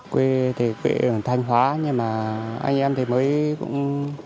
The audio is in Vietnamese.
quê thì quê thành hóa nhưng mà anh em thì mới cũng